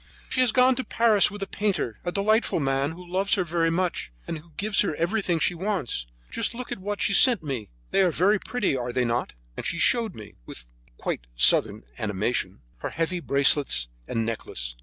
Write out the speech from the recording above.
"She has gone to Paris with a painter, a delightful man, who loves her very much, and who gives her everything that she wants. Just look at what she sent me; they are very pretty, are they not?" And she showed me, with quite southern animation, her heavy bracelets and necklace.